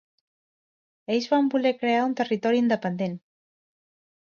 Ells van voler crear un territori independent.